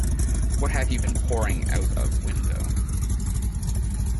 What have you been pouring out of window?